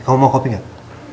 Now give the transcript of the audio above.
kamu mau kopi gak